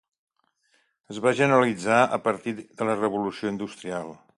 Es va generalitzar a partir de la revolució industrial.